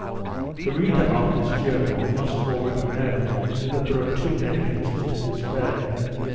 The reader of this journal must already know that there are two entrances to this bay.